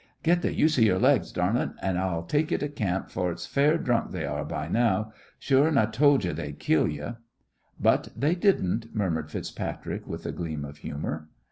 Get th' use of yere legs, darlint, an' I'll tak' ye to camp, for its fair drunk they are by now. Sure an' I tole ye they'd kill ye!" "But they didn't," muttered FitzPatrick with a gleam of humour.